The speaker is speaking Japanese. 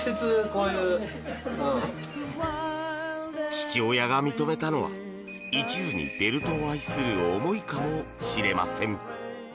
父親が認めたのは一途にベルトを愛する思いかもしれません。